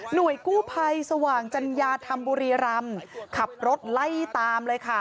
หน่วยกู้ไพสว่างจันยาธรรมบุรีรำขับรถไล่ตามเลยค่ะ